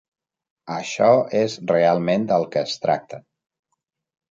Això és realment del que es tracta.